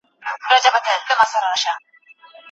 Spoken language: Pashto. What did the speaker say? تر دغي کوڅې هاخوا یو لوی جنګ وو.